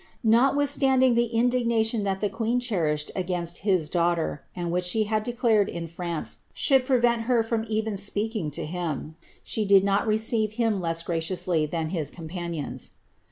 Not withstanding the indignation that the queen cherished against his daugh ter, and which she had declared in France should prevent her from even speaking to him, she did not receive him less graciously than his com panions.